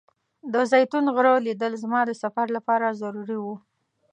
د زیتون غره لیدل زما د سفر لپاره ضروري و.